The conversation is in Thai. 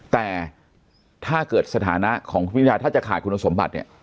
แต่ถ้าเกิดสถานะของคุณพิทาถ้าจะขาดคุณสมบัติเนี่ย